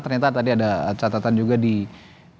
ternyata tadi ada catatan juga di batam